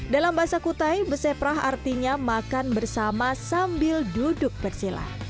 dalam bahasa kutai beseprah artinya makan bersama sambil duduk bersilah